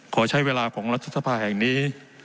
ขอใช้เวลาของรัฐสภาแห่งนี้